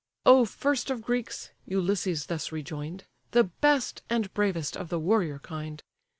"O first of Greeks, (Ulysses thus rejoin'd,) The best and bravest of the warrior kind!